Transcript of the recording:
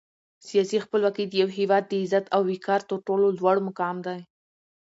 سیاسي خپلواکي د یو هېواد د عزت او وقار تر ټولو لوړ مقام دی.